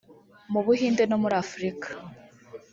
mu Buhinde no muri Afurika